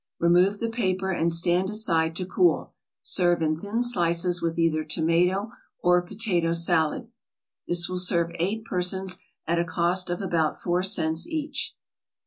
Remove the paper and stand aside to cool. Serve in thin slices with either tomato or potato salad. This will serve eight persons at a cost of about four cents each.